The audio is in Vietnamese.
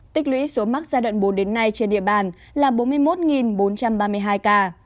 tích lũy số mắc giai đoạn bốn đến nay trên địa bàn là bốn mươi một bốn trăm ba mươi hai ca